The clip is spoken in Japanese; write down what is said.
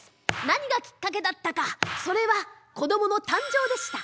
何がきっかけだったかそれはこどもの誕生でした。